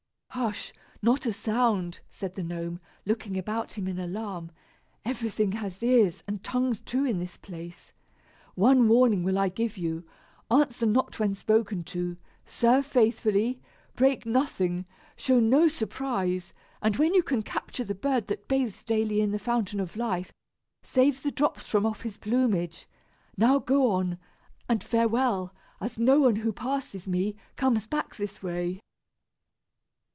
"Hush! not a sound," said the Gnome, looking about him in alarm. "Everything has ears and tongues too in this place. One warning will I give you. Answer not when spoken to, serve faithfully, break nothing, show no surprise; and when you can capture the bird that bathes daily in the fountain of life, save the drops from off his plumage. Now go on; and farewell, as no one who passes me comes back this way."